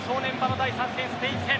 第３戦、スペイン戦。